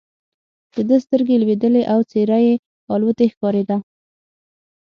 د ده سترګې لوېدلې او څېره یې الوتې ښکارېده.